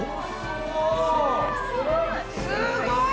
すごい！